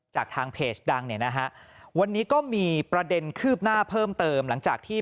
จากทางเพจดังเนี่ยนะฮะวันนี้ก็มีประเด็นคืบหน้าเพิ่มเติมหลังจากที่